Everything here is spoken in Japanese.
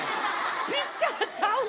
ピッチャーちゃうんかい。